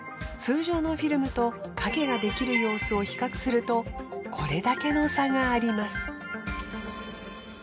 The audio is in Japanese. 通常のフィルムと影が出来る様子を比較するとこれだけの差があります。